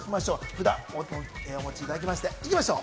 札をお持ちいただきまして、行きましょう！